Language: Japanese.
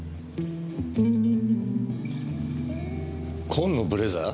紺のブレザー？